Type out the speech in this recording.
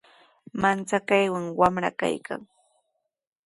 Manchakaywan wamra kaykan.